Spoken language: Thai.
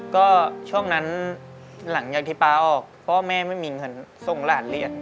ก็ช่วงนั้นหลังจากที่ป๊าออกพ่อแม่ไม่มีเงินส่งหลานเรียน